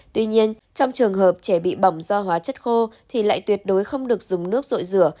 tuy nhiên trong trường hợp trẻ bị bỏng do hóa chất khô thì lại tuyệt đối không được dùng nước rội rửa